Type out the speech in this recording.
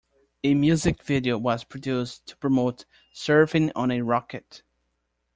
A music video was produced to promote "Surfing on a Rocket".